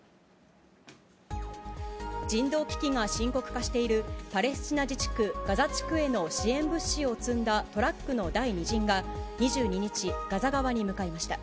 人道危機が深刻化しているパレスチナ自治区ガザ地区への支援物資を積んだトラックの第２陣が、２２日、ガザ側に向かいました。